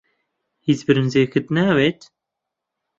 هیچ برنجێکت ناوێت؟